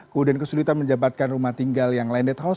kemudian kesulitan menjabatkan rumah tinggal yang landed house